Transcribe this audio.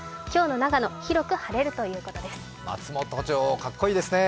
今日の長野、広く晴れるということです。